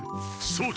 そう